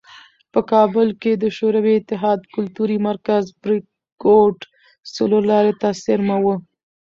په کابل کې د شوروي اتحاد کلتوري مرکز "بریکوټ" څلورلارې ته څېرمه و.